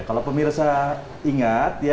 kalau pemirsa ingat